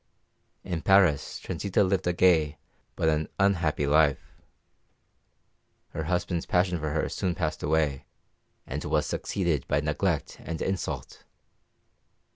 In Paris Transita lived a gay, but an unhappy life. Her husband's passion for her soon passed away, and was succeeded by neglect and insult.